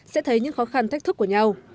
sẽ thấy những khó khăn thách thức của nhau